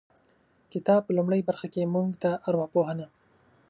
کتاب په لومړۍ برخه کې موږ ته ارواپوهنه